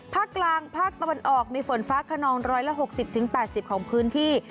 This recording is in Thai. ภาคกลางภาคตะวันออกมีฝนฟ้าขนอง๑๖๐๘๐ของพื้นที่